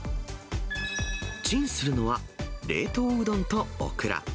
チンするのは、冷凍うどんとオクラ。